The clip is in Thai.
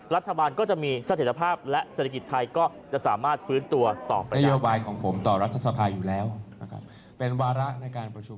รัฐบาลก็จะมีสถิตภาพและศาลกิจไทยก็จะสามารถฟื้นตัวต่อไป